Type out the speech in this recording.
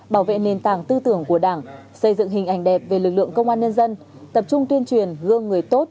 bảo vệ nền tảng tư tưởng của đảng xây dựng hình ảnh đẹp về lực lượng công an nhân dân tập trung tuyên truyền gương người tốt